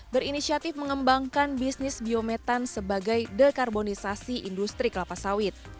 berinisiatif mengembangkan bisnis biometan sebagai dekarbonisasi industri kelapa sawit